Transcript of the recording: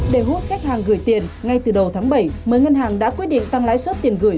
để hút khách hàng gửi tiền ngay từ đầu tháng bảy mới ngân hàng đã quyết định tăng lãi suất tiền gửi